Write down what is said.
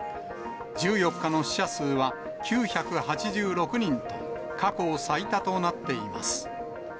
１４日の死者数は９８６人と、過去最多となっています。